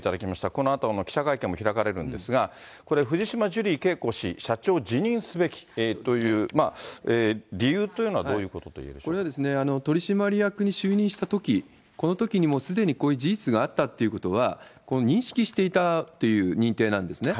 このあと、記者会見も開かれるんですが、これ藤島ジュリー景子氏、社長を辞任すべきという理由というのはどういうことといえるでしこれはですね、取締役に就任したとき、このときにもうすでにこういう事実があったということは、認識していたという認定なんですね。